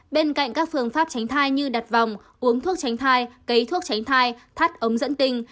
bên cạnh các phương pháp tránh thai như đặt vòng uống thuốc tránh thai cây thuốc tránh thai thắt ống dẫn tinh